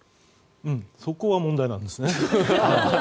そこは問題なんですね。